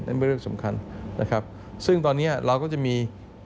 เป็นเรื่องสำคัญนะครับซึ่งตอนเนี้ยเราก็จะมี